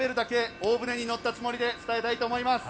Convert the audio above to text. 大船に乗ったつもりで伝えたいと思います。